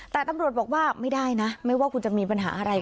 แต่ตำรวจบอกว่าไม่ได้นะไม่ว่าคุณจะมีปัญหาอะไร